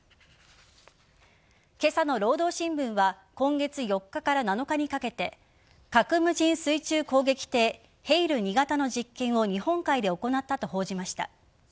今朝の労働新聞は今月４日から７日にかけて核無人水中攻撃艇「ヘイル２」型の実験を日本海で行ったと報じました。